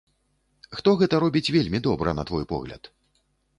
Хто гэта робіць вельмі добра, на твой погляд?